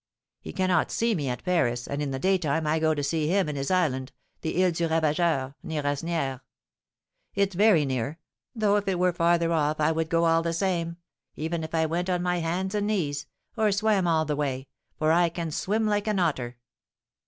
He cannot see me at Paris, and in the daytime I go to see him in his island, the Ile du Ravageur, near Asnières. It's very near; though if it were farther off, I would go all the same, even if I went on my hands and knees, or swam all the way, for I can swim like an otter."